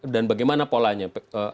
dan bagaimana polanya